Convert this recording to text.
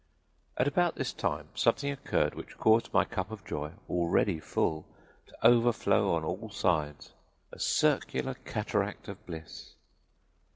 "At about this time something occurred which caused my cup of joy, already full, to overflow on all sides, a circular cataract of bliss.